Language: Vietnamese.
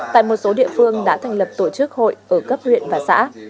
tại một số địa phương đã thành lập tổ chức hội ở cấp huyện và xã